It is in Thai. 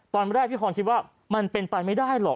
ตอนแรกพี่พรคิดว่ามันเป็นไปไม่ได้หรอก